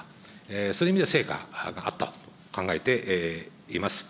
そういう意味で成果があったと考えています。